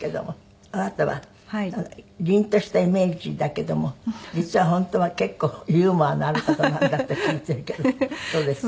あなたはりんとしたイメージだけども実は本当は結構ユーモアのある方なんだって聞いているけどそうですか？